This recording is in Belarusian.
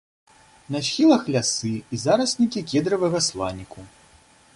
На схілах лясы і зараснікі кедравага сланіку.